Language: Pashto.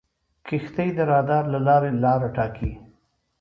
کښتۍ د رادار له لارې لاره ټاکي.